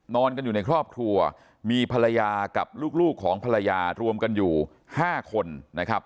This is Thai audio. นอนกันอยู่ในครอบครัวมีภรรยากับลูกของภรรยารวมกันอยู่๕คนนะครับ